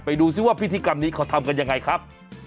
ไปดูซิว่าพิธีกรรมนี้เขาทำกันยังไงครับ